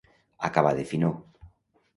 Acabar de finor.